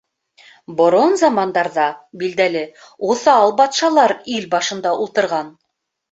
Борон замандарҙа, билдәле, уҫал батшалар ил башында ултырған.